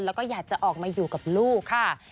แล้วก็อยากจะออกมาอยู่กับลูกค่ะ